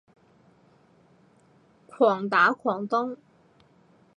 狂打狂咚